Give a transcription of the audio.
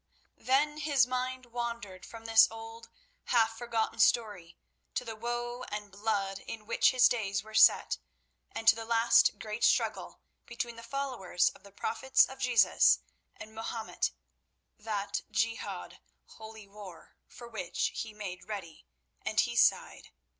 Then his mind wandered from this old, half forgotten story to the woe and blood in which his days were set, and to the last great struggle between the followers of the prophets Jesus and Mahomet, that Jihad for which he made ready—and he sighed.